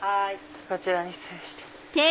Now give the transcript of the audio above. こちらに失礼して。